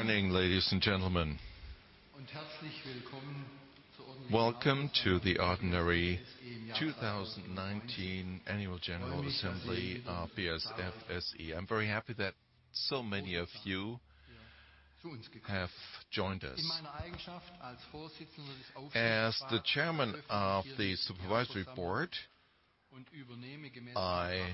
Morning, ladies and gentlemen. Welcome to the ordinary 2019 annual general assembly of BASF SE. I'm very happy that so many of you have joined us. As the chairman of the supervisory board, I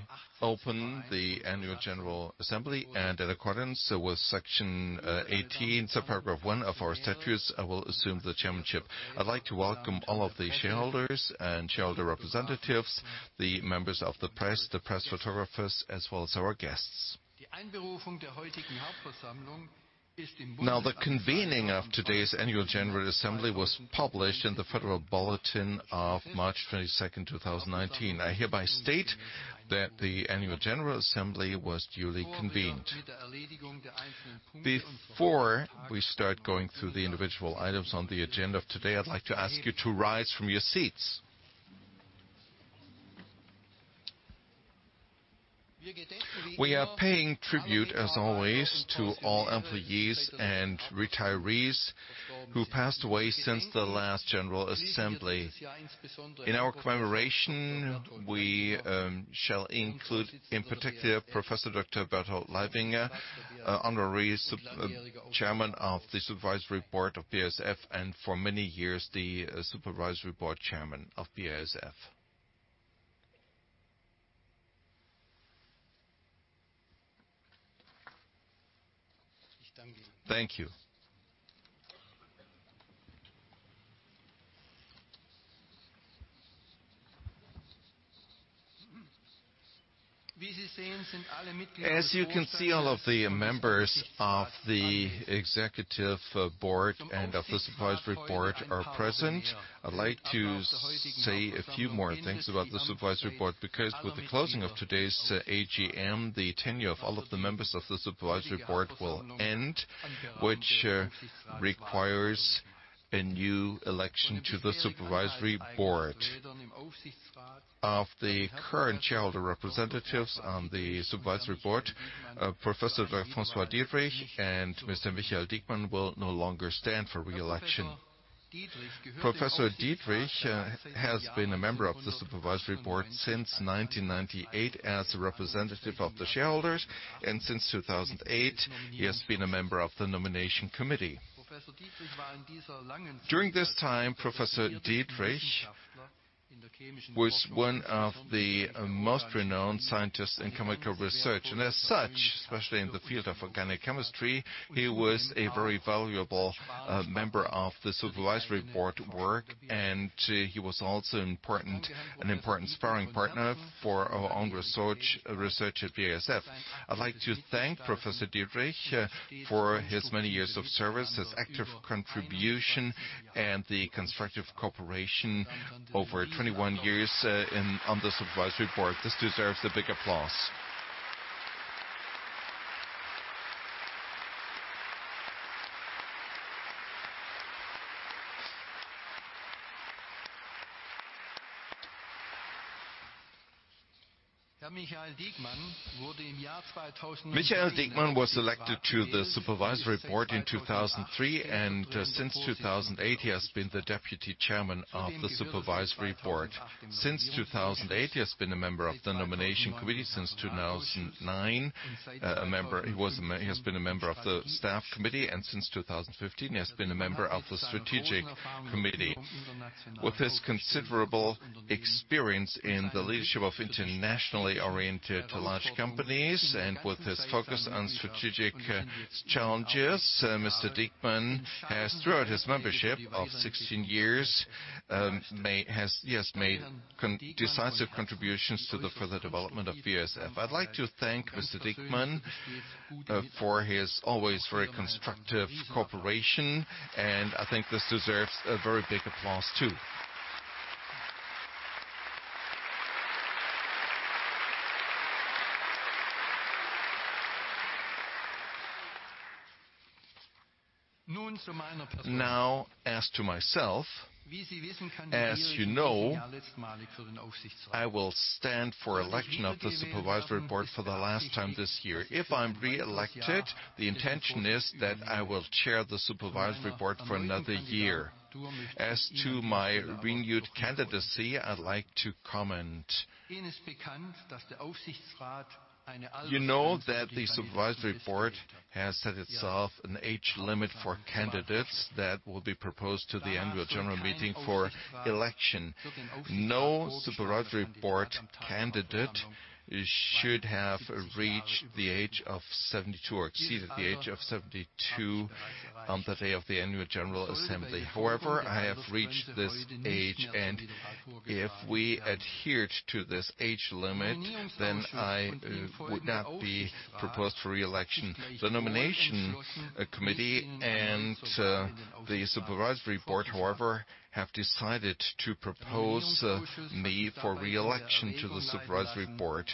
open the annual general assembly, and in accordance with Section 18, subparagraph one of our statutes, I will assume the chairmanship. I'd like to welcome all of the shareholders and shareholder representatives, the members of the press, the press photographers, as well as our guests. Now, the convening of today's annual general assembly was published in the Federal Bulletin of March 22nd, 2019. I hereby state that the annual general assembly was duly convened. Before we start going through the individual items on the agenda of today, I'd like to ask you to rise from your seats. We are paying tribute, as always, to all employees and retirees who passed away since the last general assembly. In our commemoration, we shall include, in particular, Professor Doctor Berthold Leibinger, Honorary Chairman of the Supervisory Board of BASF and for many years, the Supervisory Board Chairman of BASF. Thank you. As you can see, all of the members of the Executive Board and of the Supervisory Board are present. I'd like to say a few more things about the Supervisory Board because with the closing of today's AGM, the tenure of all of the members of the Supervisory Board will end, which requires a new election to the Supervisory Board. Of the current shareholder representatives on the Supervisory Board, Professor François Diederich and Mr. Michael Diekmann will no longer stand for re-election. Professor François Diederich has been a member of the Supervisory Board since 1998 as a representative of the shareholders, and since 2008, he has been a member of the Nomination Committee. During this time, Professor François Diederich was one of the most renowned scientists in chemical research, and as such, especially in the field of organic chemistry, he was a very valuable member of the supervisory board work, and he was also an important sparring partner for our own research at BASF. I'd like to thank Professor François Diederich for his many years of service, his active contribution, and the constructive cooperation over 21 years on the Supervisory Board. This deserves a big applause. Michael Diekmann was elected to the Supervisory Board in 2003, and since 2008, he has been the Deputy Chairman of the Supervisory Board. Since 2008, he has been a member of the nomination committee. Since 2009, has been a member of the staff committee, and since 2015, he has been a member of the strategic committee. With his considerable experience in the leadership of internationally-oriented large companies and with his focus on strategic challenges, Mr. Diekmann has, throughout his membership of 16 years, made decisive contributions to the further development of BASF. I'd like to thank Mr. Diekmann for his always very constructive cooperation, and I think this deserves a very big applause, too. Now, as to myself, as you know, I will stand for election to the Supervisory Board for the last time this year. If I'm re-elected, the intention is that I will chair the Supervisory Board for another year. As to my renewed candidacy, I'd like to comment. You know that the Supervisory Board has set itself an age limit for candidates that will be proposed to the annual general meeting for election. No Supervisory Board candidate should have reached the age of 72 or exceeded the age of 72 on the day of the annual general meeting. However, I have reached this age, and if we adhered to this age limit, then I would not be proposed for re-election. The nomination committee and the Supervisory Board, however, have decided to propose me for re-election to the Supervisory Board.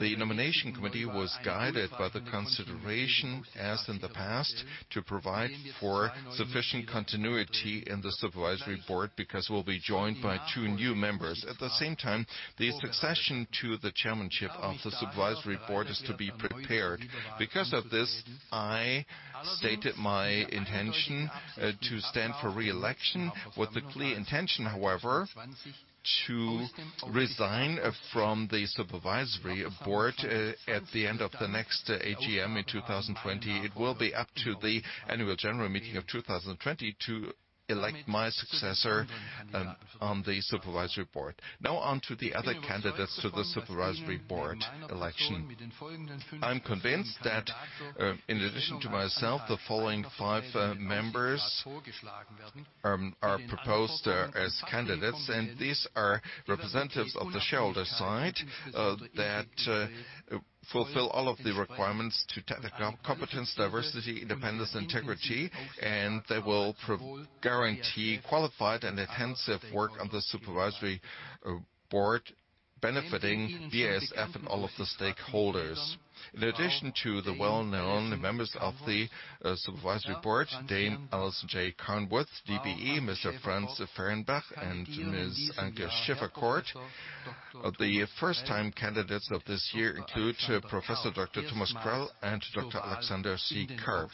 The nomination committee was guided by the consideration, as in the past, to provide for sufficient continuity in the Supervisory Board, because we'll be joined by two new members. At the same time, the succession to the chairmanship of the Supervisory Board is to be prepared. Because of this, I stated my intention to stand for re-election with the clear intention, however, to resign from the Supervisory Board at the end of the next AGM in 2020. It will be up to the Annual General Meeting of 2020 to elect my successor on the Supervisory Board. Now on to the other candidates to the Supervisory Board election. I'm convinced that in addition to myself, the following five members are proposed as candidates, and these are representatives of the shareholder side that fulfill all of the requirements to technical competence, diversity, independence, integrity, and they will guarantee qualified and intensive work on the Supervisory Board, benefiting BASF and all of the stakeholders. In addition to the well-known members of the Supervisory Board, Dame Alison J. Carnwath DBE, Mr. Franz Fehrenbach, and Ms. Anke Schäferkordt, the first-time candidates of this year include Professor Dr. Thomas Carell and Dr. Alexander C. Karp.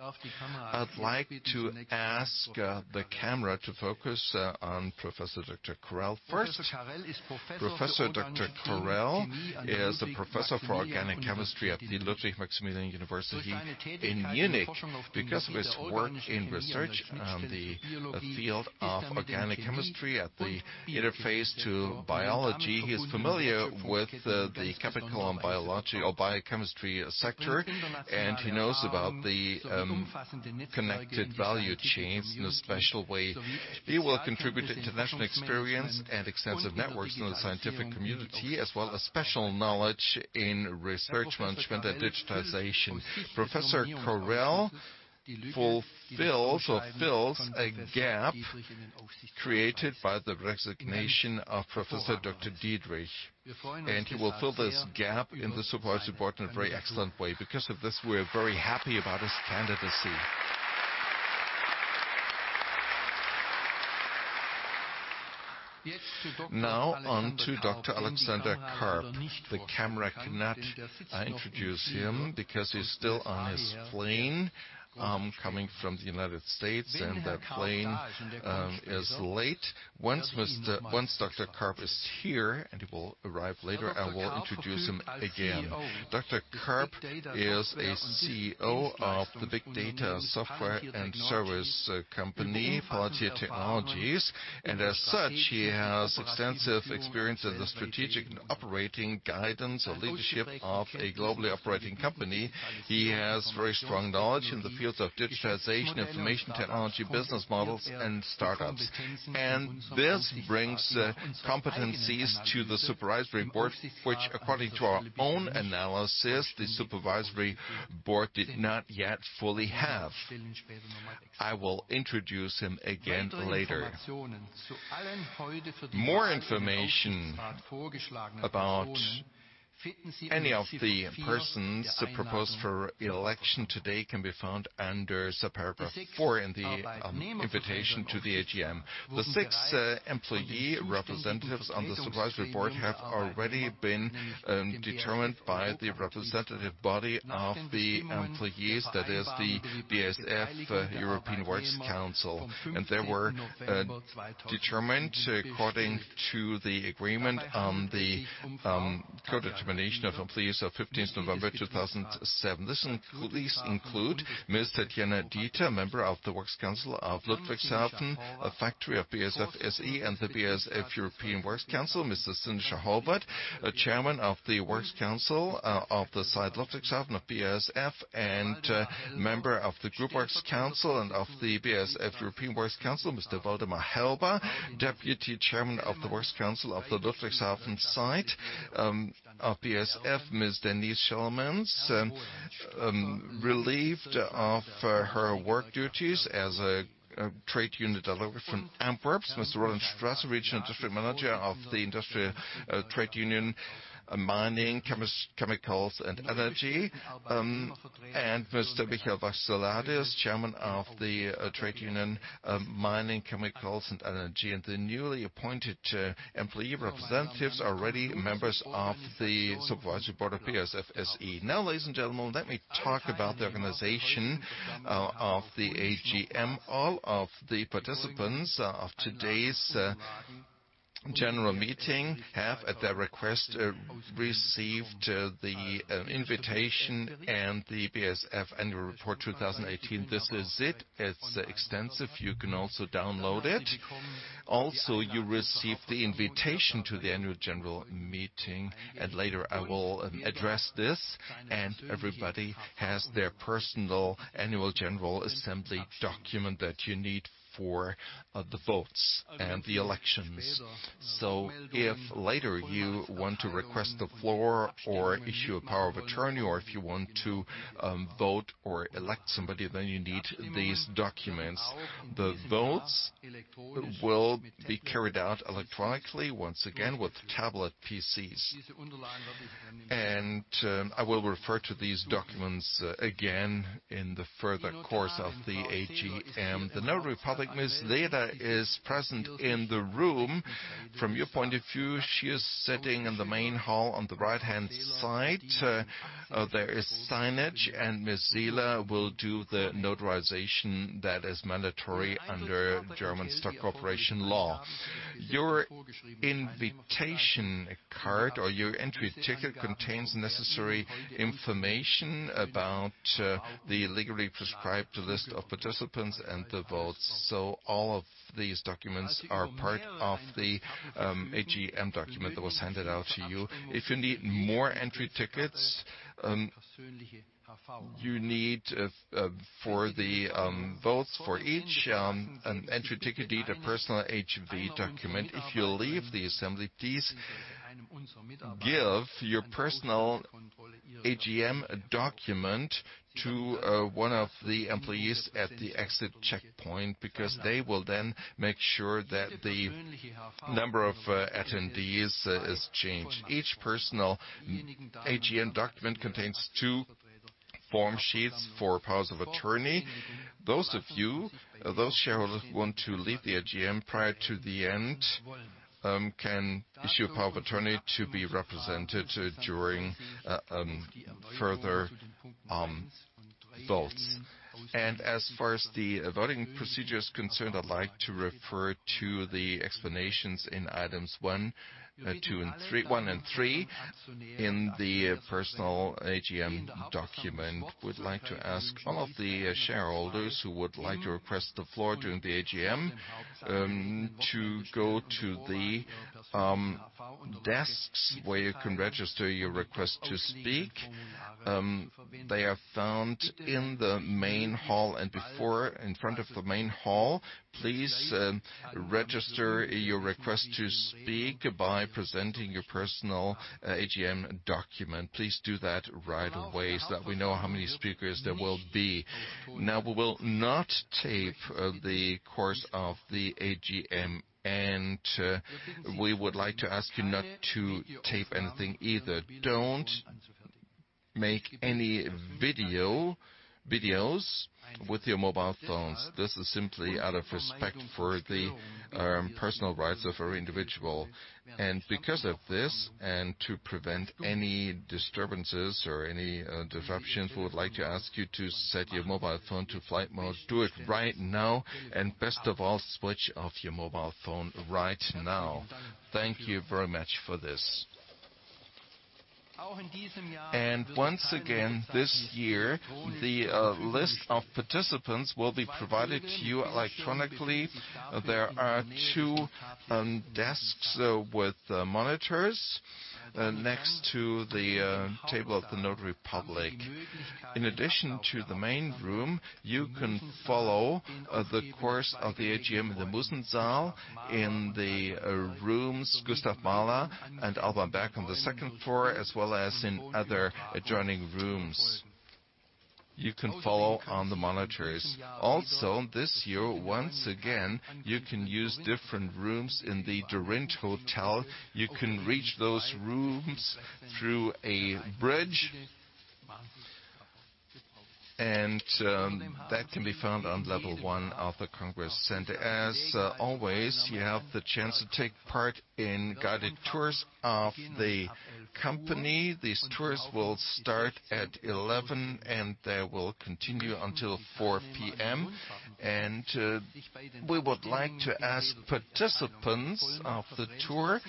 I'd like to ask the camera to focus on Professor Dr. Carell first. Professor Dr. Carell is the professor for organic chemistry at the Ludwig Maximilian University of Munich. Because of his work in research on the field of organic chemistry at the interface to biology, he is familiar with the chemical and biological or biochemistry sector, and he knows about the connected value chains in a special way. He will contribute international experience and extensive networks in the scientific community, as well as special knowledge in research management and digitization. Professor Carell fulfills or fills a gap created by the resignation of Professor Dr. François Diederich, and he will fill this gap in the Supervisory Board in a very excellent way. Because of this, we're very happy about his candidacy. Now on to Dr. Alexander Karp. The camera cannot introduce him because he's still on his plane coming from the United States, and that plane is late. Once Dr. Karp is here, and he will arrive later, I will introduce him again. Dr. Karp is CEO of the big data software and service company Palantir Technologies, and as such, he has extensive experience in the strategic and operating guidance or leadership of a globally operating company. He has very strong knowledge in the fields of digitization, information technology, business models, and startups. This brings competencies to the Supervisory Board, which according to our own analysis, the Supervisory Board did not yet fully have. I will introduce him again later. More information about any of the persons proposed for election today can be found under sub-paragraph four in the invitation to the AGM. The six employee representatives on the supervisory board have already been determined by the representative body of the employees, that is the BASF European Works Council, and they were determined according to the agreement on the codetermination of employees of 15th November 2007. Please include Ms. Tatjana Diether, member of the works council of Ludwigshafen, a factory of BASF SE, and the BASF European Works Council, Mr. Sinischa Horvat, chairman of the works council of the site Ludwigshafen of BASF, and member of the group works council and of the BASF European Works Council, Mr. Waldemar Helber, deputy chairman of the works council of the Ludwigshafen site of BASF, Ms. Denise Schellemans, relieved of her work duties as a trade union delegate from Antwerp, Mr. Roland Strauss, Regional District Manager of the Industrial Trade Union Mining Chemicals and Energy, and Mr. Michael Vassiliadis, Chairman of the Trade Union Mining, Chemicals and Energy, and the newly appointed employee representatives are already members of the supervisory board of BASF SE. Now, ladies and gentlemen, let me talk about the organization of the AGM. All of the participants of today's General meeting have, at their request, received the invitation and the BASF Annual Report 2018. This is it. It's extensive. You can also download it. You receive the invitation to the annual general meeting, and later I will address this, and everybody has their personal annual general assembly document that you need for the votes and the elections. If later you want to request the floor or issue a power of attorney, or if you want to vote or elect somebody, then you need these documents. The votes will be carried out electronically once again with tablet PCs. I will refer to these documents again in the further course of the AGM. The notary public, Ms. Seeler, is present in the room. From your point of view, she is sitting in the main hall on the right-hand side. There is signage, and Ms. Seeler will do the notarization that is mandatory under German Stock Corporation law. Your invitation card or your entry ticket contains necessary information about the legally prescribed list of participants and the votes. All of these documents are part of the AGM document that was handed out to you. If you need more entry tickets, you need for the votes for each an entry ticket, you need a personal HV document. If you leave the assembly, please give your personal AGM document to one of the employees at the exit checkpoint, because they will then make sure that the number of attendees is changed. Each personal AGM document contains two form sheets for powers of attorney. Those shareholders who want to leave the AGM prior to the end can issue a power of attorney to be represented during further votes. As far as the voting procedure is concerned, I would like to refer to the explanations in items one and three in the personal AGM document. I would like to ask all of the shareholders who would like to request the floor during the AGM to go to the desks where you can register your request to speak. They are found in the main hall and in front of the main hall. Please register your request to speak by presenting your personal AGM document. Please do that right away so that we know how many speakers there will be. Now, we will not tape the course of the AGM, and we would like to ask you not to tape anything either. Do not make any videos with your mobile phones. This is simply out of respect for the personal rights of our individual. Because of this, and to prevent any disturbances or any disruptions, we would like to ask you to set your mobile phone to flight mode. Do it right now, and best of all, switch off your mobile phone right now. Thank you very much for this. Once again, this year, the list of participants will be provided to you electronically. There are two desks with monitors next to the table of the notary public. In addition to the main room, you can follow the course of the AGM in the Musensaal, in the rooms Gustav Mahler and Alban Berg on the second floor, as well as in other adjoining rooms. You can follow on the monitors. This year, once again, you can use different rooms in the Dorint Hotel. You can reach those rooms through a bridge. That can be found on level one of the Congress Center. As always, you have the chance to take part in guided tours of the company. These tours will start at 11:00 A.M., and they will continue until 4:00 P.M. We would like to ask participants of the tour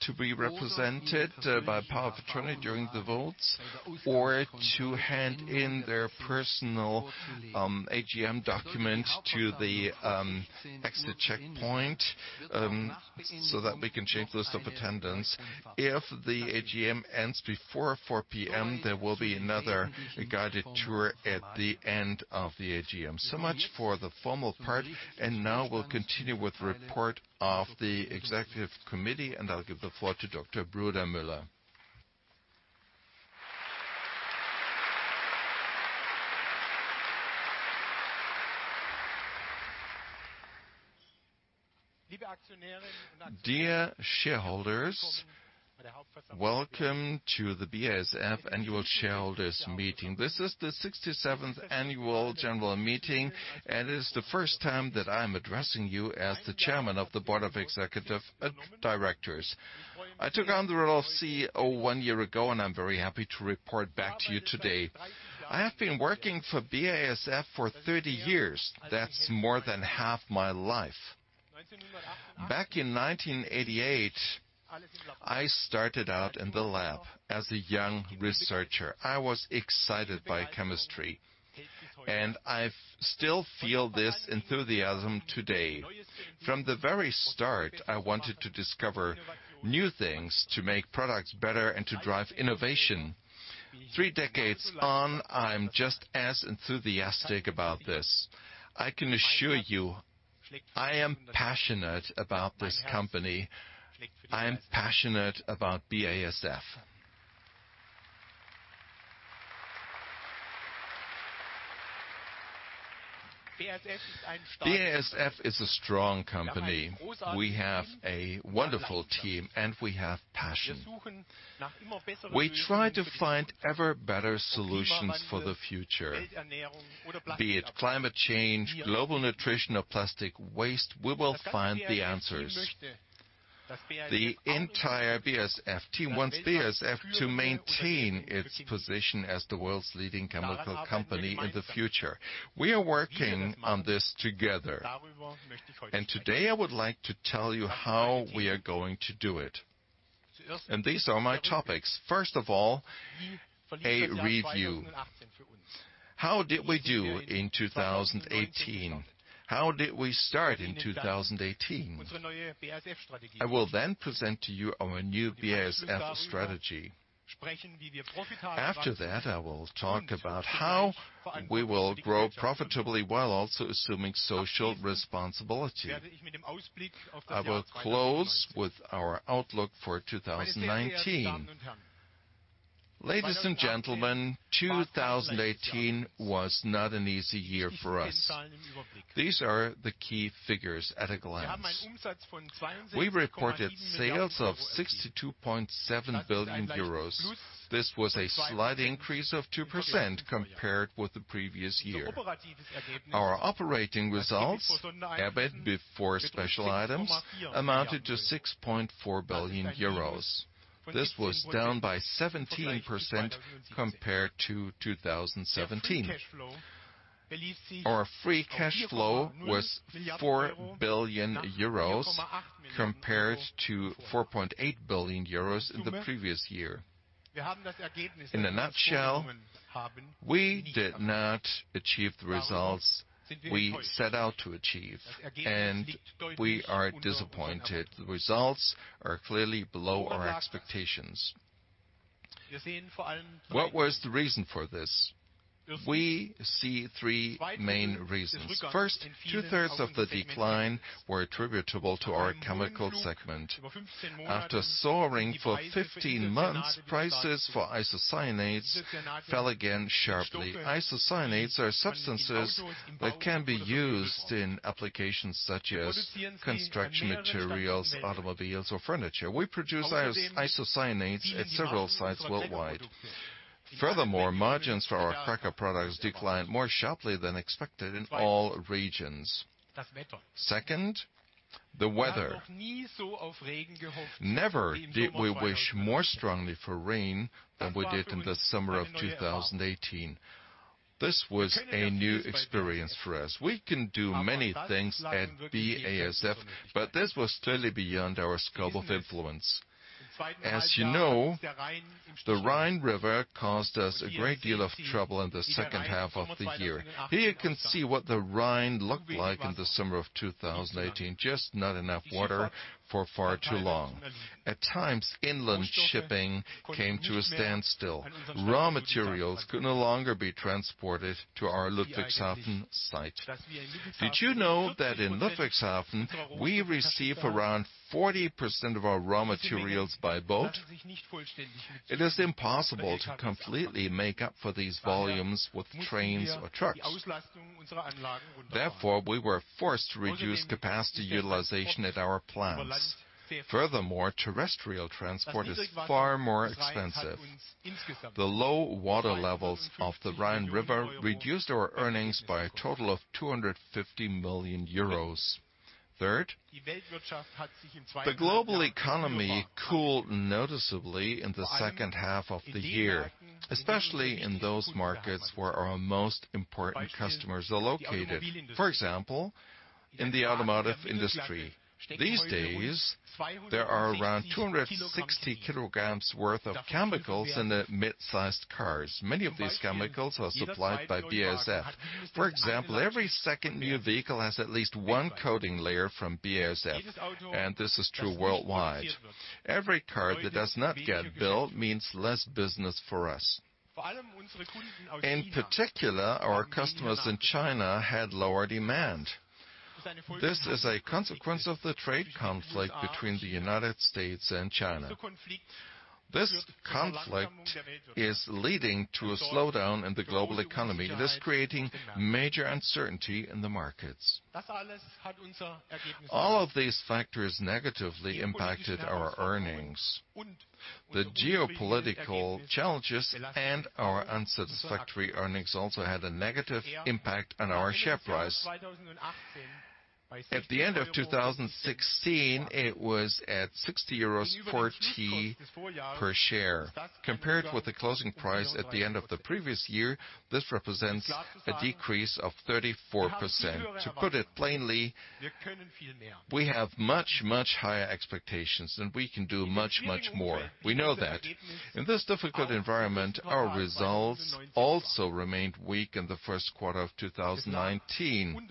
to be represented by power of attorney during the votes or to hand in their personal AGM document to the exit checkpoint, so that we can check the list of attendance. If the AGM ends before 4:00 P.M., there will be another guided tour at the end of the AGM. Much for the formal part, and now we'll continue with report of the executive committee, and I'll give the floor to Dr. Brudermüller. Dear shareholders, welcome to the BASF Annual Shareholders Meeting. This is the 67th Annual General Meeting, and it is the first time that I am addressing you as the Chairman of the Board of Executive Directors. I took on the role of CEO one year ago, and I'm very happy to report back to you today. I have been working for BASF for 30 years. That's more than half my life. Back in 1988, I started out in the lab as a young researcher. I was excited by chemistry, and I still feel this enthusiasm today. From the very start, I wanted to discover new things to make products better and to drive innovation. Three decades on, I'm just as enthusiastic about this. I can assure you, I am passionate about this company. I am passionate about BASF. BASF is a strong company. We have a wonderful team, and we have passion. We try to find ever better solutions for the future. Be it climate change, global nutrition or plastic waste, we will find the answers. The entire BASF team wants BASF to maintain its position as the world's leading chemical company in the future. We are working on this together, and today I would like to tell you how we are going to do it. These are my topics. First of all, a review. How did we do in 2018? How did we start in 2019? I will then present to you our new BASF strategy. After that, I will talk about how we will grow profitably while also assuming social responsibility. I will close with our outlook for 2019. Ladies and gentlemen, 2018 was not an easy year for us. These are the key figures at a glance. We reported sales of 62.7 billion euros. This was a slight increase of 2% compared with the previous year. Our operating results, EBIT, before special items, amounted to 6.4 billion euros. This was down by 17% compared to 2017. Our free cash flow was 4 billion euros compared to 4.8 billion euros in the previous year. In a nutshell, we did not achieve the results we set out to achieve, and we are disappointed. The results are clearly below our expectations. What was the reason for this? We see three main reasons. First, two-thirds of the decline were attributable to our chemical segment. After soaring for 15 months, prices for isocyanates fell again sharply. Isocyanates are substances that can be used in applications such as construction materials, automobiles or furniture. We produce isocyanates at several sites worldwide. Furthermore, margins for our cracker products declined more sharply than expected in all regions. Second, the weather. Never did we wish more strongly for rain than we did in the summer of 2018. This was a new experience for us. We can do many things at BASF, but this was totally beyond our scope of influence. As you know, the Rhine River caused us a great deal of trouble in the second half of the year. Here you can see what the Rhine looked like in the summer of 2018, just not enough water for far too long. At times, inland shipping came to a standstill. Raw materials could no longer be transported to our Ludwigshafen site. Did you know that in Ludwigshafen, we receive around 40% of our raw materials by boat? It is impossible to completely make up for these volumes with trains or trucks. Therefore, we were forced to reduce capacity utilization at our plants. Furthermore, terrestrial transport is far more expensive. The low water levels of the Rhine River reduced our earnings by a total of 250 million euros. Third, the global economy cooled noticeably in the second half of the year, especially in those markets where our most important customers are located. For example, in the automotive industry. These days, there are around 260 kilograms worth of chemicals in the mid-sized cars. Many of these chemicals are supplied by BASF. For example, every second new vehicle has at least one coating layer from BASF, and this is true worldwide. Every car that does not get built means less business for us. In particular, our customers in China had lower demand. This is a consequence of the trade conflict between the United States and China. This conflict is leading to a slowdown in the global economy and is creating major uncertainty in the markets. All of these factors negatively impacted our earnings. The geopolitical challenges and our unsatisfactory earnings also had a negative impact on our share price. At the end of 2016, it was at 60.40 euros per share. Compared with the closing price at the end of the previous year, this represents a decrease of 34%. To put it plainly, we have much, much higher expectations, and we can do much, much more. We know that. In this difficult environment, our results also remained weak in the first quarter of 2019.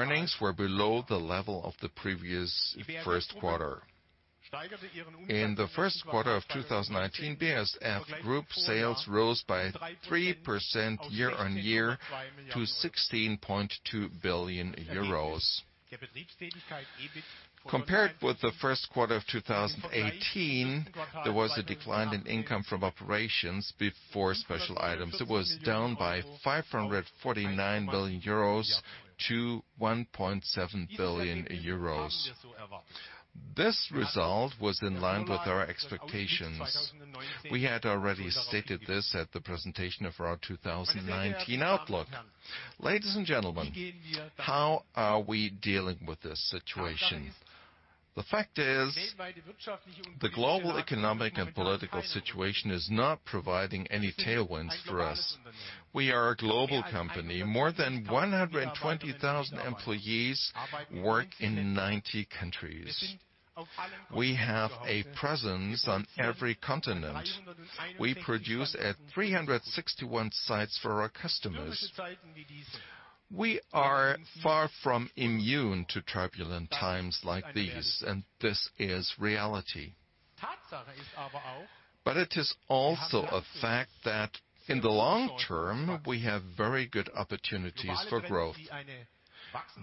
Earnings were below the level of the previous first quarter. In the first quarter of 2019, BASF Group sales rose by 3% year-over-year to 16.2 billion euros. Compared with the first quarter of 2018, there was a decline in income from operations before special items. It was down by 549 million euros to 1.7 billion euro. This result was in line with our expectations. We had already stated this at the presentation of our 2019 outlook. Ladies and gentlemen, how are we dealing with this situation? The fact is, the global economic and political situation is not providing any tailwinds for us. We are a global company. More than 120,000 employees work in 90 countries. We have a presence on every continent. We produce at 361 sites for our customers. We are far from immune to turbulent times like these, and this is reality. It is also a fact that in the long term, we have very good opportunities for growth.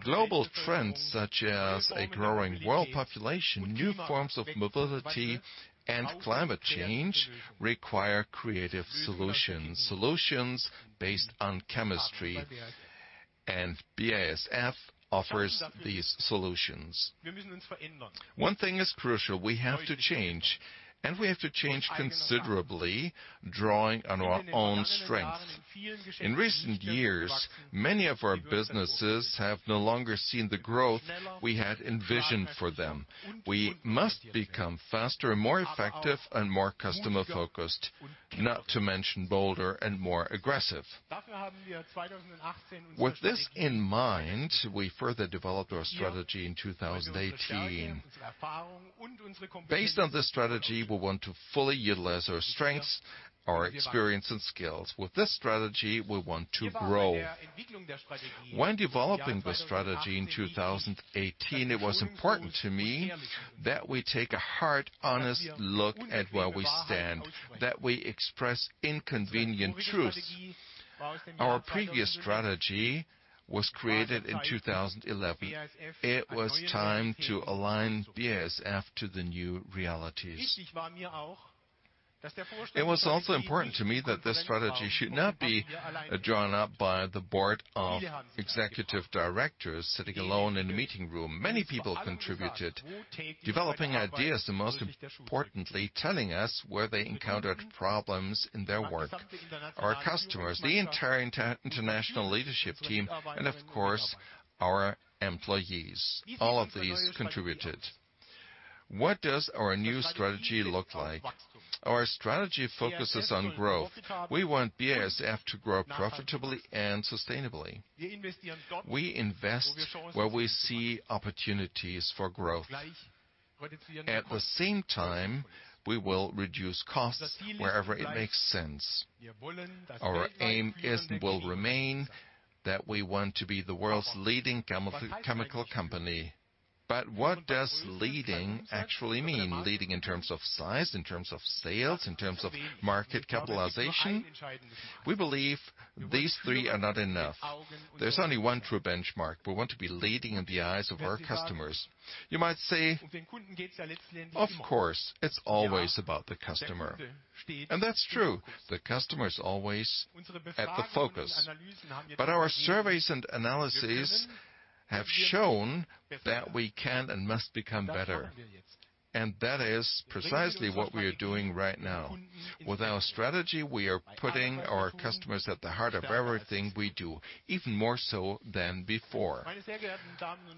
Global trends such as a growing world population, new forms of mobility, and climate change require creative solutions based on chemistry. BASF offers these solutions. One thing is crucial. We have to change, and we have to change considerably, drawing on our own strength. In recent years, many of our businesses have no longer seen the growth we had envisioned for them. We must become faster and more effective and more customer-focused, not to mention bolder and more aggressive. With this in mind, we further developed our strategy in 2018. Based on this strategy, we want to fully utilize our strengths, our experience and skills. With this strategy, we want to grow. When developing the strategy in 2018, it was important to me that we take a hard, honest look at where we stand, that we express inconvenient truths. Our previous strategy was created in 2011. It was time to align BASF to the new realities. It was also important to me that this strategy should not be drawn up by the Board of Executive Directors sitting alone in a meeting room. Many people contributed, developing ideas and most importantly, telling us where they encountered problems in their work. Our customers, the entire international leadership team and of course, our employees, all of these contributed. What does our new strategy look like? Our strategy focuses on growth. We want BASF to grow profitably and sustainably. We invest where we see opportunities for growth. At the same time, we will reduce costs wherever it makes sense. Our aim is and will remain that we want to be the world's leading chemical company. What does leading actually mean? Leading in terms of size, in terms of sales, in terms of market capitalization? We believe these three are not enough. There's only one true benchmark. We want to be leading in the eyes of our customers. You might say, "Of course, it's always about the customer." That's true. The customer is always at the focus. Our surveys and analyses have shown that we can and must become better. That is precisely what we are doing right now. With our strategy, we are putting our customers at the heart of everything we do, even more so than before.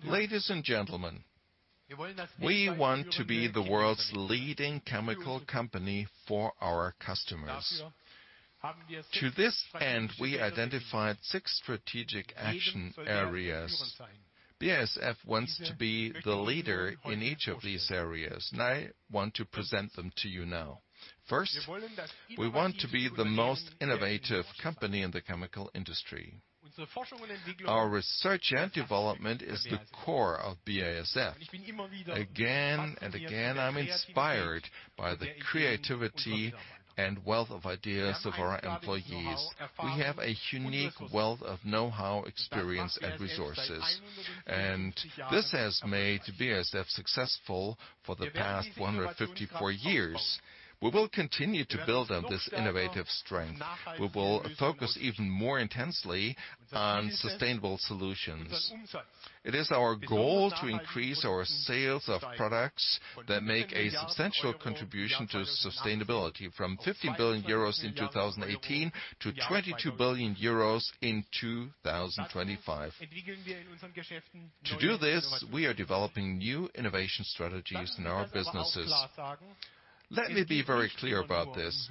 Ladies and gentlemen, we want to be the world's leading chemical company for our customers. To this end, we identified six strategic action areas. BASF wants to be the leader in each of these areas, and I want to present them to you now. First, we want to be the most innovative company in the chemical industry. Our research and development is the core of BASF. Again and again, I'm inspired by the creativity and wealth of ideas of our employees. We have a unique wealth of know-how, experience, and resources. This has made BASF successful for the past 154 years. We will continue to build on this innovative strength. We will focus even more intensely on sustainable solutions. It is our goal to increase our sales of products that make a substantial contribution to sustainability from 15 billion euros in 2018 to 22 billion euros in 2025. To do this, we are developing new innovation strategies in our businesses. Let me be very clear about this.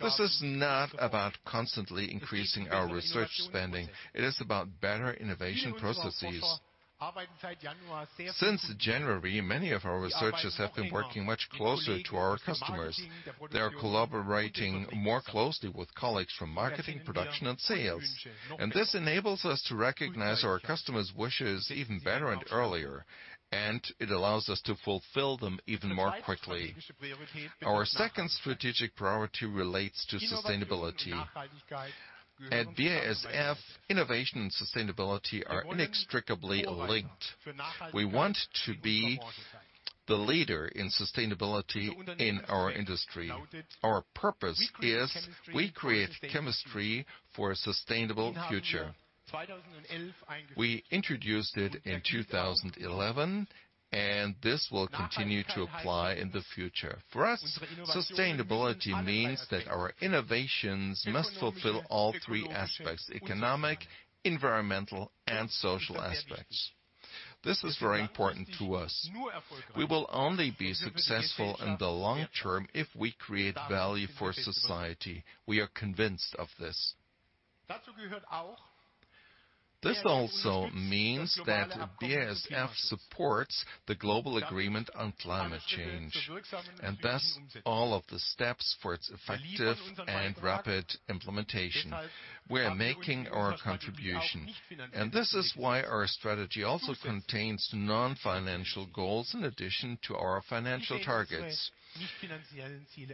This is not about constantly increasing our research spending. It is about better innovation processes. Since January, many of our researchers have been working much closer to our customers. They are collaborating more closely with colleagues from marketing, production, and sales. This enables us to recognize our customers' wishes even better and earlier, and it allows us to fulfill them even more quickly. Our second strategic priority relates to sustainability. At BASF, innovation and sustainability are inextricably linked. We want to be the leader in sustainability in our industry. Our purpose is we create chemistry for a sustainable future. We introduced it in 2011, and this will continue to apply in the future. For us, sustainability means that our innovations must fulfill all three aspects, economic, environmental, and social aspects. This is very important to us. We will only be successful in the long term if we create value for society. We are convinced of this. This also means that BASF supports the global agreement on climate change and thus all of the steps for its effective and rapid implementation. We are making our contribution, and this is why our strategy also contains non-financial goals in addition to our financial targets.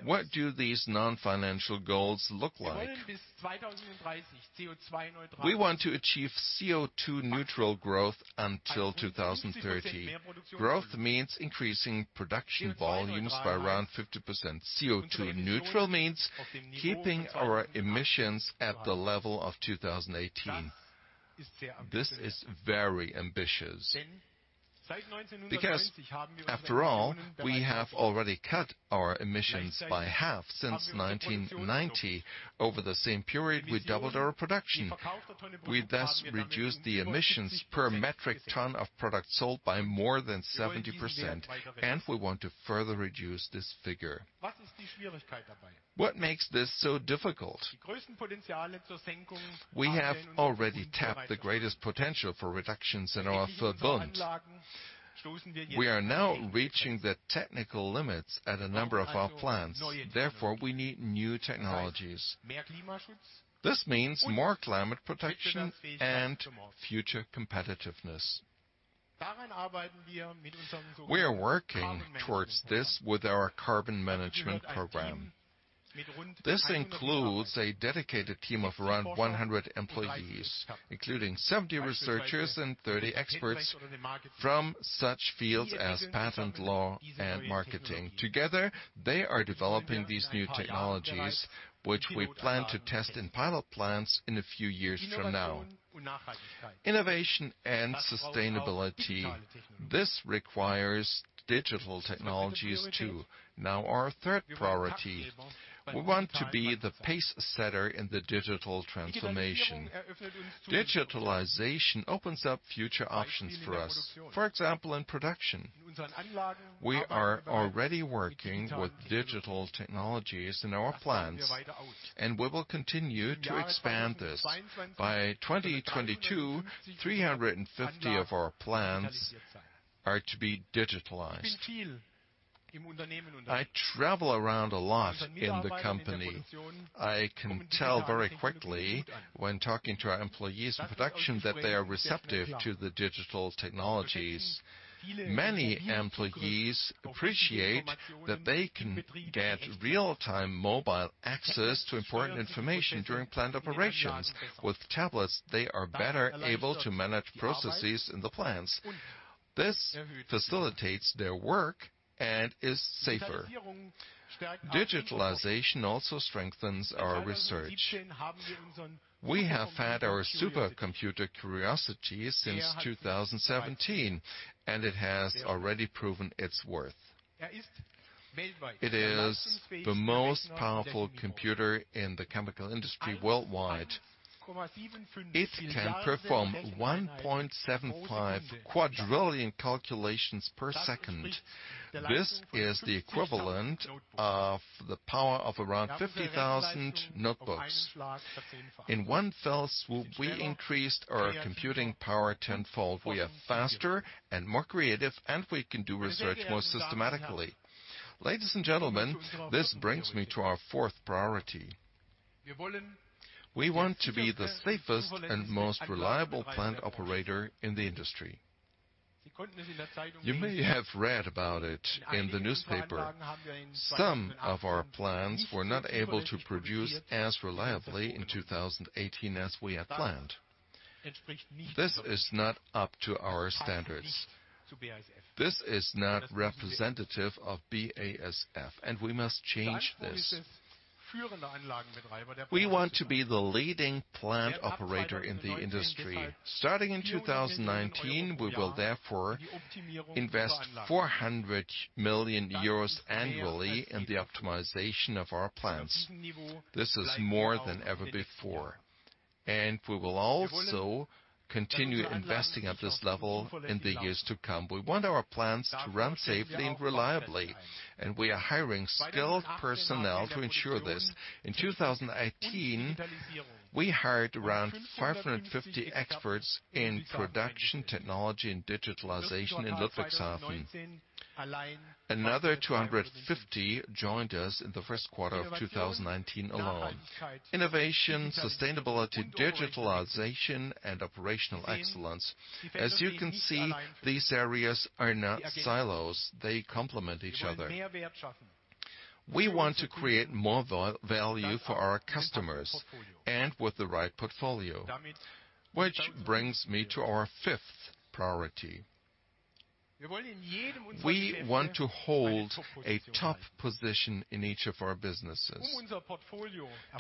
What do these non-financial goals look like? We want to achieve CO₂-neutral growth until 2030. Growth means increasing production volumes by around 50%. CO₂-neutral means keeping our emissions at the level of 2018. This is very ambitious because after all, we have already cut our emissions by half since 1990. Over the same period, we doubled our production. We thus reduced the emissions per metric ton of product sold by more than 70%, and we want to further reduce this figure. What makes this so difficult? We have already tapped the greatest potential for reductions in our footprint. We are now reaching the technical limits at a number of our plants. Therefore, we need new technologies. This means more climate protection and future competitiveness. We are working towards this with our Carbon Management Program. This includes a dedicated team of around 100 employees, including 70 researchers and 30 experts from such fields as patent law and marketing. Together, they are developing these new technologies, which we plan to test in pilot plants in a few years from now. Innovation and sustainability, this requires digital technologies too. Now our third priority, we want to be the pacesetter in the digital transformation. Digitalization opens up future options for us. For example, in production, we are already working with digital technologies in our plants, and we will continue to expand this. By 2022, 350 of our plants are to be digitalized. I travel around a lot in the company. I can tell very quickly when talking to our employees in production that they are receptive to the digital technologies. Many employees appreciate that they can get real-time mobile access to important information during plant operations. With tablets, they are better able to manage processes in the plants. This facilitates their work and is safer. Digitalization also strengthens our research. We have had our supercomputer Quriosity since 2017, and it has already proven its worth. It is the most powerful computer in the chemical industry worldwide. It can perform 1.75 quadrillion calculations per second. This is the equivalent of the power of around 50,000 notebooks. In one fell swoop, we increased our computing power tenfold. We are faster and more creative, and we can do research more systematically. Ladies and gentlemen, this brings me to our fourth priority. We want to be the safest and most reliable plant operator in the industry. You may have read about it in the newspaper. Some of our plants were not able to produce as reliably in 2018 as we had planned. This is not up to our standards. This is not representative of BASF, and we must change this. We want to be the leading plant operator in the industry. Starting in 2019, we will therefore invest 400 million euros annually in the optimization of our plants. This is more than ever before. We will also continue investing at this level in the years to come. We want our plants to run safely and reliably, and we are hiring skilled personnel to ensure this. In 2018, we hired around 550 experts in production technology and digitalization in Ludwigshafen. Another 250 joined us in the first quarter of 2019 alone. Innovation, sustainability, digitalization, and operational excellence. As you can see, these areas are not silos. They complement each other. We want to create more value for our customers and with the right portfolio, which brings me to our fifth priority. We want to hold a top position in each of our businesses.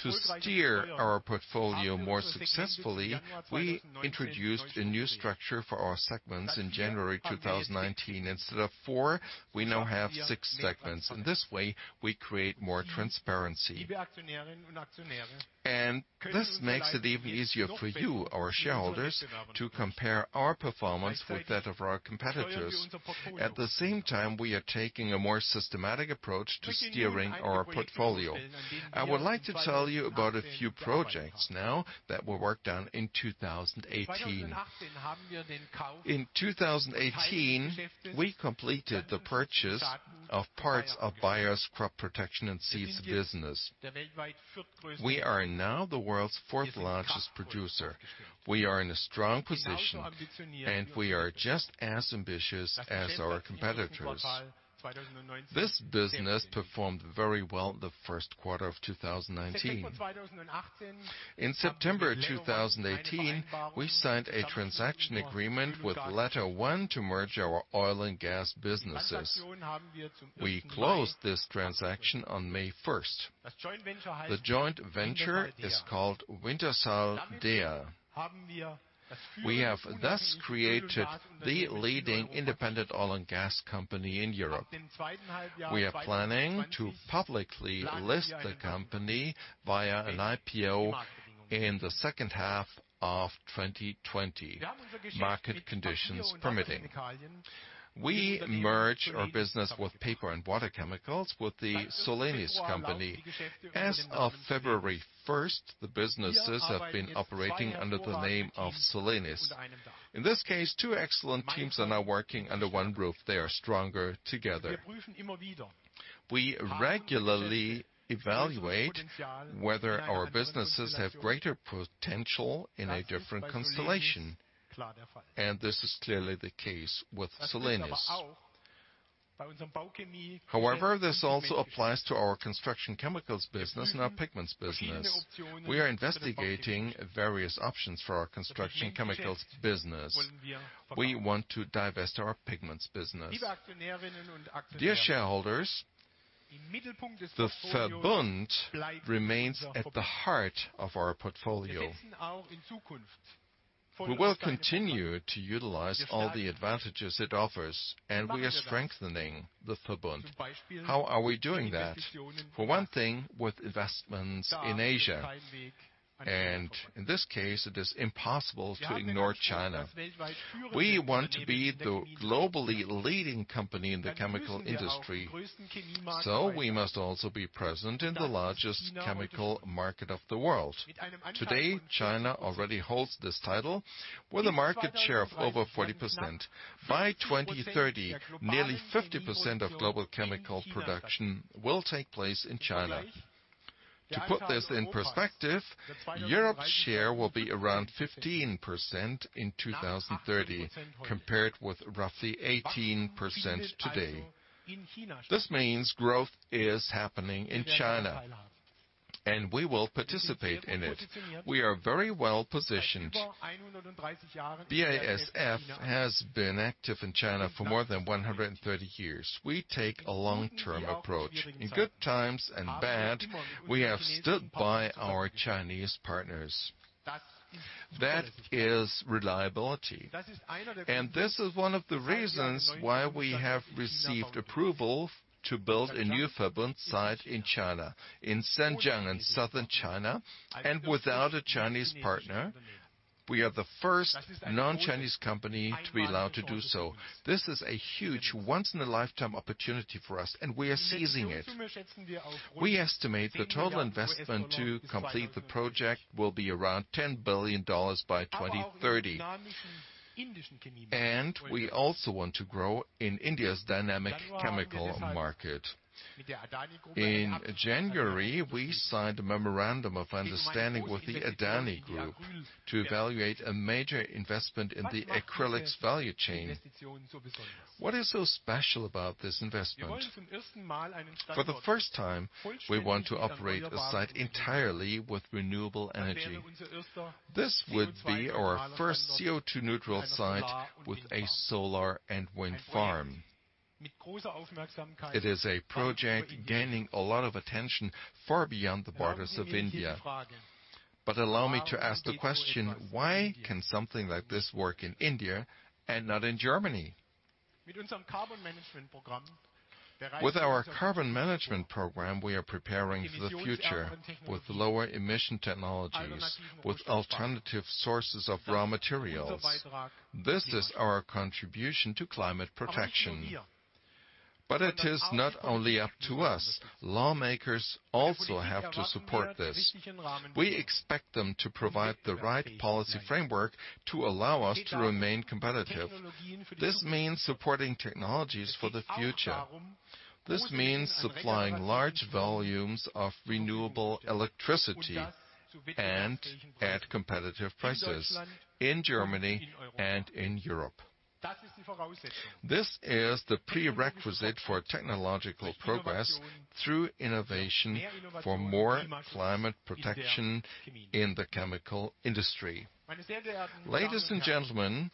To steer our portfolio more successfully, we introduced a new structure for our segments in January 2019. Instead of four, we now have six segments. In this way, we create more transparency. This makes it even easier for you, our shareholders, to compare our performance with that of our competitors. At the same time, we are taking a more systematic approach to steering our portfolio. I would like to tell you about a few projects now that were worked on in 2018. In 2018, we completed the purchase of parts of Bayer's crop protection and seeds business. We are now the world's fourth-largest producer. We are in a strong position, and we are just as ambitious as our competitors. This business performed very well in the first quarter of 2019. In September 2018, we signed a transaction agreement with LetterOne to merge our oil and gas businesses. We closed this transaction on May 1st. The joint venture is called Wintershall Dea. We have thus created the leading independent oil and gas company in Europe. We are planning to publicly list the company via an IPO in the second half of 2020, market conditions permitting. We merge our business with paper and water chemicals with the Solenis company. As of February 1st, the businesses have been operating under the name of Solenis. In this case, two excellent teams are now working under one roof. They are stronger together. We regularly evaluate whether our businesses have greater potential in a different constellation, and this is clearly the case with Solenis. However, this also applies to our construction chemicals business and our pigments business. We are investigating various options for our construction chemicals business. We want to divest our pigments business. Dear shareholders, the Verbund remains at the heart of our portfolio. We will continue to utilize all the advantages it offers, and we are strengthening the Verbund. How are we doing that? For one thing, with investments in Asia. In this case, it is impossible to ignore China. We want to be the globally leading company in the chemical industry, so we must also be present in the largest chemical market of the world. Today, China already holds this title with a market share of over 40%. By 2030, nearly 50% of global chemical production will take place in China. To put this in perspective, Europe's share will be around 15% in 2030, compared with roughly 18% today. This means growth is happening in China, and we will participate in it. We are very well-positioned. BASF has been active in China for more than 130 years. We take a long-term approach. In good times and bad, we have stood by our Chinese partners. That is reliability, and this is one of the reasons why we have received approval to build a new Verbund site in China, in Zhanjiang in Southern China, and without a Chinese partner. We are the first non-Chinese company to be allowed to do so. This is a huge once-in-a-lifetime opportunity for us, and we are seizing it. We estimate the total investment to complete the project will be around $10 billion by 2030. We also want to grow in India's dynamic chemical market. In January, we signed a memorandum of understanding with the Adani Group to evaluate a major investment in the acrylics value chain. What is so special about this investment? For the first time, we want to operate a site entirely with renewable energy. This would be our first CO₂-neutral site with a solar and wind farm. It is a project gaining a lot of attention far beyond the borders of India. Allow me to ask the question: Why can something like this work in India and not in Germany? With our Carbon Management Program, we are preparing for the future with lower emission technologies, with alternative sources of raw materials. This is our contribution to climate protection. It is not only up to us. Lawmakers also have to support this. We expect them to provide the right policy framework to allow us to remain competitive. This means supporting technologies for the future. This means supplying large volumes of renewable electricity and at competitive prices in Germany and in Europe. This is the prerequisite for technological progress through innovation for more climate protection in the chemical industry. Ladies and gentlemen,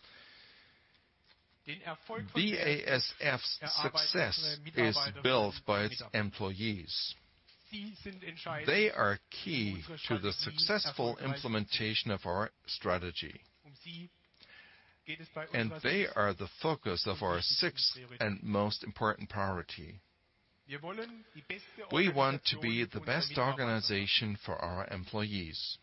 BASF's success is built by its employees. They are key to the successful implementation of our strategy, and they are the focus of our sixth and most important priority. We want to be the best organization for our employees.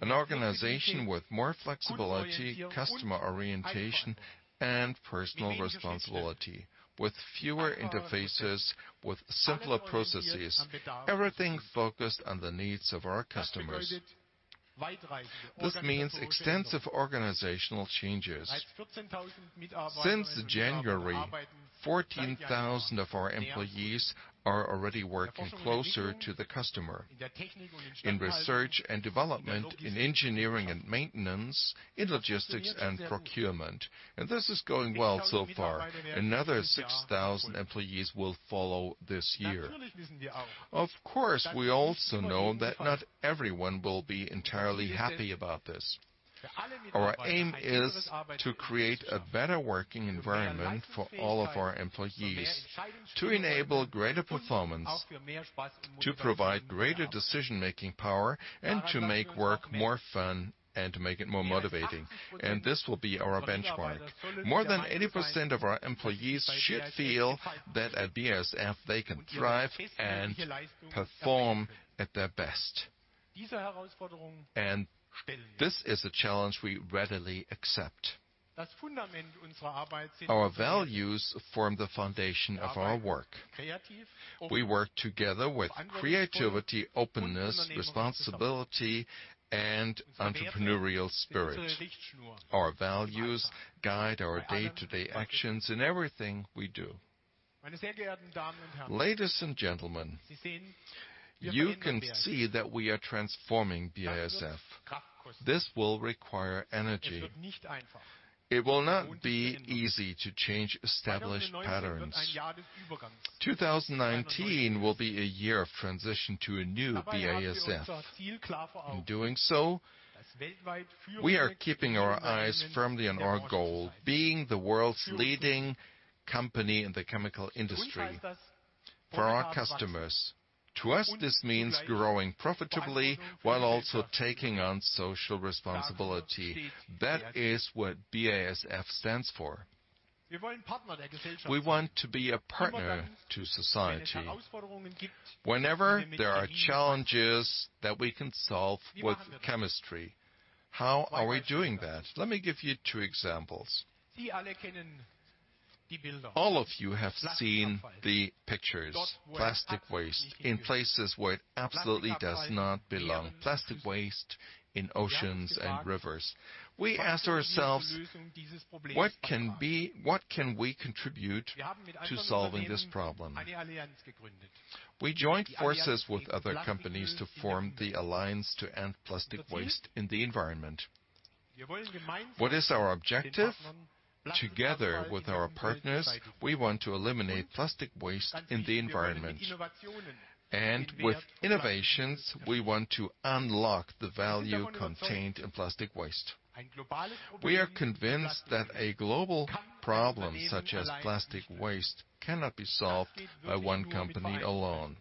An organization with more flexibility, customer orientation, and personal responsibility, with fewer interfaces, with simpler processes, everything focused on the needs of our customers. This means extensive organizational changes. Since January, 14,000 of our employees are already working closer to the customer in research and development, in engineering and maintenance, in logistics and procurement, and this is going well so far. Another 6,000 employees will follow this year. Of course, we also know that not everyone will be entirely happy about this. Our aim is to create a better working environment for all of our employees to enable greater performance, to provide greater decision-making power, and to make work more fun and to make it more motivating. This will be our benchmark. More than 80% of our employees should feel that at BASF they can thrive and perform at their best. This is a challenge we readily accept. Our values form the foundation of our work. We work together with creativity, openness, responsibility, and entrepreneurial spirit. Our values guide our day-to-day actions in everything we do. Ladies and gentlemen, you can see that we are transforming BASF. This will require energy. It will not be easy to change established patterns. 2019 will be a year of transition to a new BASF. In doing so, we are keeping our eyes firmly on our goal, being the world's leading company in the chemical industry for our customers. To us, this means growing profitably while also taking on social responsibility. That is what BASF stands for. We want to be a partner to society. Whenever there are challenges that we can solve with chemistry, how are we doing that? Let me give you two examples. All of you have seen the pictures, plastic waste in places where it absolutely does not belong. Plastic waste in oceans and rivers. We ask ourselves, what can we contribute to solving this problem? We joined forces with other companies to form the Alliance to End Plastic Waste. What is our objective? Together with our partners, we want to eliminate plastic waste in the environment, and with innovations, we want to unlock the value contained in plastic waste. We are convinced that a global problem such as plastic waste cannot be solved by one company alone.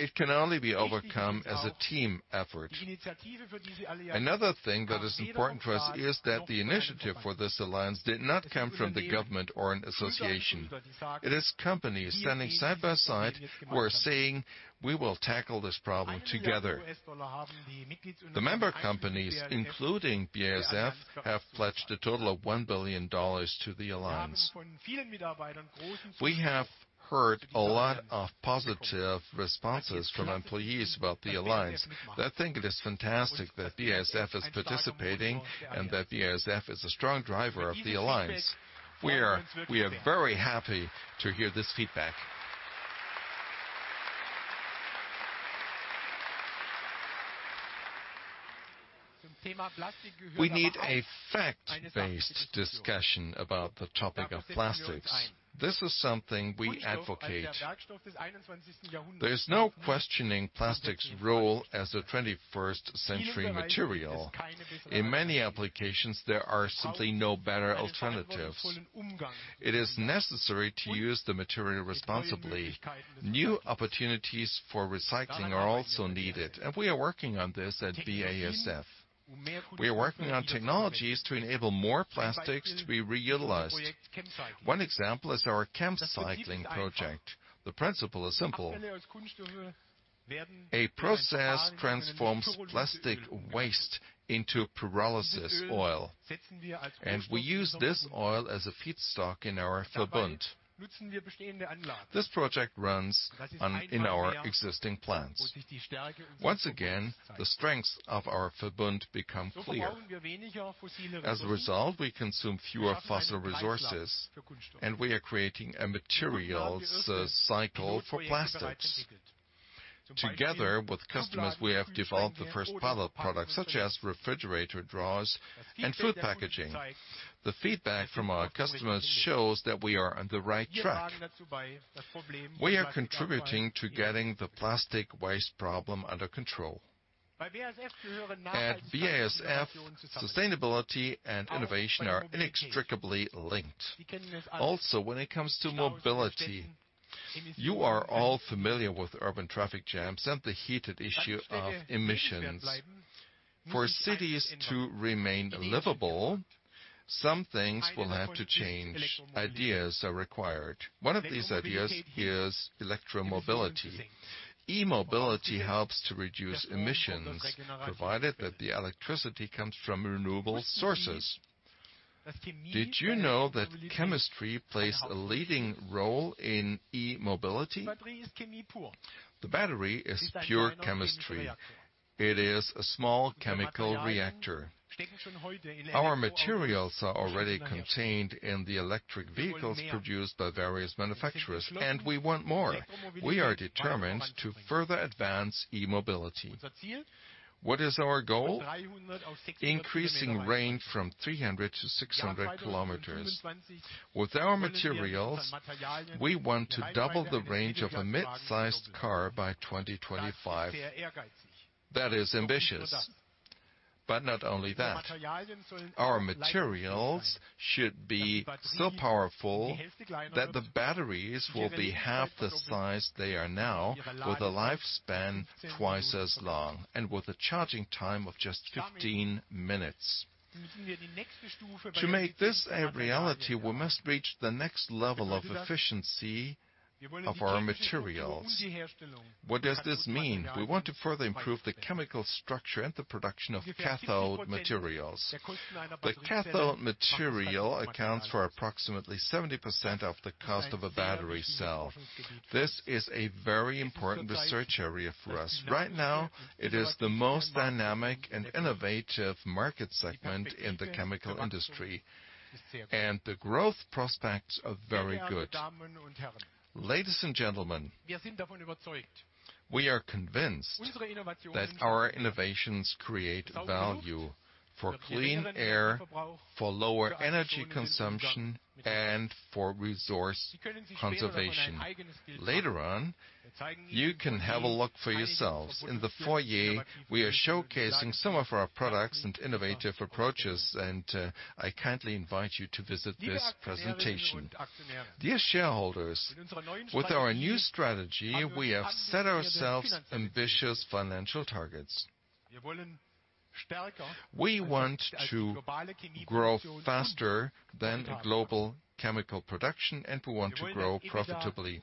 It can only be overcome as a team effort. Another thing that is important for us is that the initiative for this alliance did not come from the government or an association. It is companies standing side by side who are saying, "We will tackle this problem together." The member companies, including BASF, have pledged a total of $1 billion to the alliance. We have heard a lot of positive responses from employees about the alliance. They think it is fantastic that BASF is participating and that BASF is a strong driver of the alliance. We are very happy to hear this feedback. We need a fact-based discussion about the topic of plastics. This is something we advocate. There is no questioning plastic's role as the 21st century material. In many applications, there are simply no better alternatives. It is necessary to use the material responsibly. New opportunities for recycling are also needed, and we are working on this at BASF. We are working on technologies to enable more plastics to be reutilized. One example is our ChemCycling project. The principle is simple. A process transforms plastic waste into pyrolysis oil, and we use this oil as a feedstock in our Verbund. This project runs on in our existing plants. Once again, the strengths of our Verbund become clear. As a result, we consume fewer fossil resources, and we are creating a materials cycle for plastics. Together with customers, we have developed the first pilot products, such as refrigerator drawers and food packaging. The feedback from our customers shows that we are on the right track. We are contributing to getting the plastic waste problem under control. At BASF, sustainability and innovation are inextricably linked, also when it comes to mobility. You are all familiar with urban traffic jams and the heated issue of emissions. For cities to remain livable, some things will have to change. Ideas are required. One of these ideas is electromobility. E-mobility helps to reduce emissions, provided that the electricity comes from renewable sources. Did you know that chemistry plays a leading role in e-mobility? The battery is pure chemistry. It is a small chemical reactor. Our materials are already contained in the electric vehicles produced by various manufacturers, and we want more. We are determined to further advance e-mobility. What is our goal? Increasing range from 300 km-600 km. With our materials, we want to double the range of a mid-sized car by 2025. That is ambitious. Not only that, our materials should be so powerful that the batteries will be half the size they are now, with a lifespan twice as long, and with a charging time of just 15 minutes. To make this a reality, we must reach the next level of efficiency of our materials. What does this mean? We want to further improve the chemical structure and the production of cathode materials. The cathode material accounts for approximately 70% of the cost of a battery cell. This is a very important research area for us. Right now, it is the most dynamic and innovative market segment in the chemical industry, and the growth prospects are very good. Ladies and gentlemen, we are convinced that our innovations create value for clean air, for lower energy consumption, and for resource conservation. Later on, you can have a look for yourselves. In the foyer, we are showcasing some of our products and innovative approaches, and I kindly invite you to visit this presentation. Dear shareholders, with our new strategy, we have set ourselves ambitious financial targets. We want to grow faster than global chemical production, and we want to grow profitably.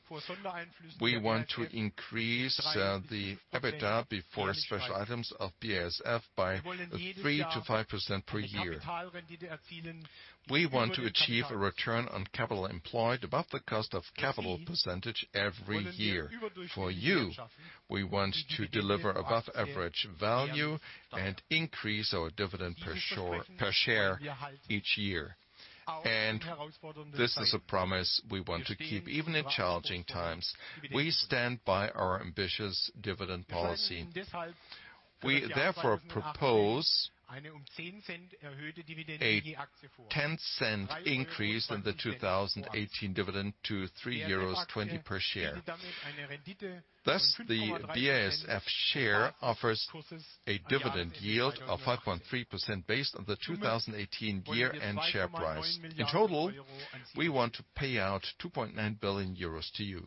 We want to increase the EBITDA before special items of BASF by 3%-5% per year. We want to achieve a return on capital employed above the cost of capital percentage every year. For you, we want to deliver above average value and increase our dividend per share each year. This is a promise we want to keep even in challenging times. We stand by our ambitious dividend policy. We therefore propose a 0.10 increase in the 2018 dividend to 3.20 euros per share. Thus, the BASF share offers a dividend yield of 5.3% based on the 2018 year-end share price. In total, we want to pay out 2.9 billion euros to you.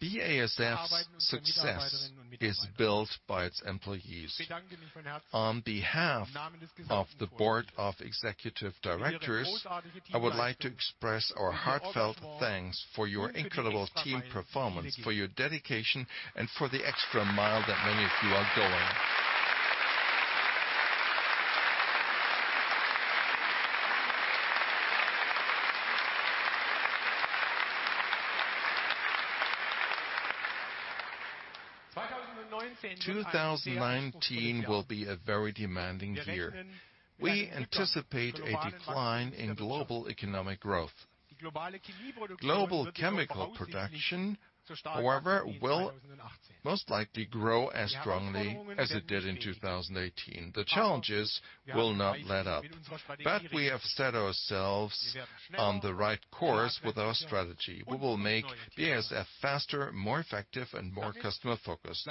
BASF's success is built by its employees. On behalf of the Board of Executive Directors, I would like to express our heartfelt thanks for your incredible team performance, for your dedication, and for the extra mile that many of you are going. 2019 will be a very demanding year. We anticipate a decline in global economic growth. Global chemical production, however, will most likely grow as strongly as it did in 2018. The challenges will not let up, but we have set ourselves on the right course with our strategy. We will make BASF faster, more effective, and more customer-focused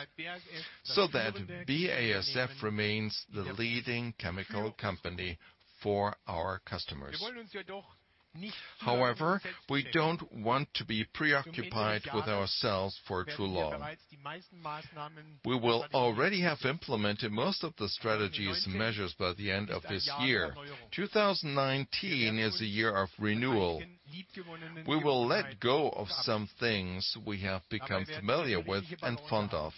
so that BASF remains the leading chemical company for our customers. However, we don't want to be preoccupied with ourselves for too long. We will already have implemented most of the strategies and measures by the end of this year. 2019 is a year of renewal. We will let go of some things we have become familiar with and fond of.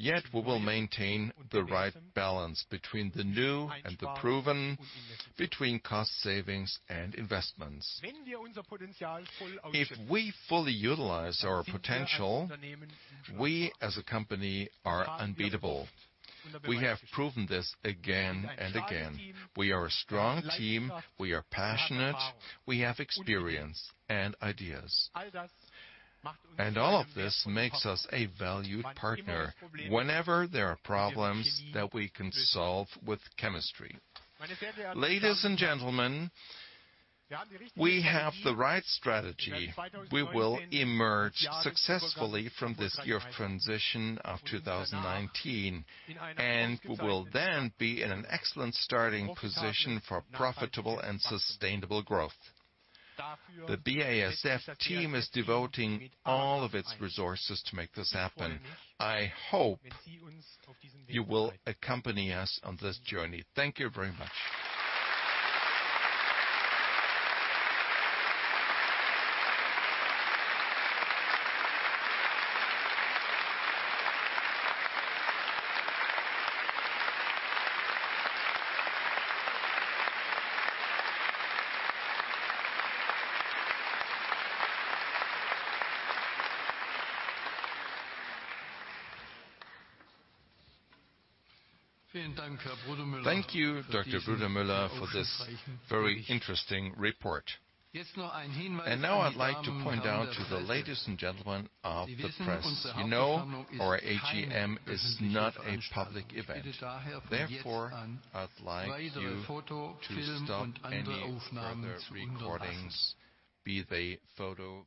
Yet we will maintain the right balance between the new and the proven, between cost savings and investments. If we fully utilize our potential, we as a company are unbeatable. We have proven this again and again. We are a strong team. We are passionate. We have experience and ideas. All of this makes us a valued partner whenever there are problems that we can solve with chemistry. Ladies and gentlemen, we have the right strategy. We will emerge successfully from this year of transition of 2019, and we will then be in an excellent starting position for profitable and sustainable growth. The BASF team is devoting all of its resources to make this happen. I hope you will accompany us on this journey. Thank you very much. Thank you, Dr. Brudermüller, for this very interesting report. Now I'd like to point out to the ladies and gentlemen of the press, you know our AGM is not a public event. Therefore, I'd like you to stop any further recordings, be they photo-